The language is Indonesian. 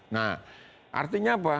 nah artinya apa